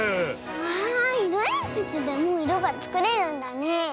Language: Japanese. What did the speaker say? わあいろえんぴつでもいろがつくれるんだね。